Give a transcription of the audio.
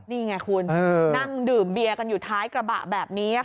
นี่ไงคุณนั่งดื่มเบียร์กันอยู่ท้ายกระบะแบบนี้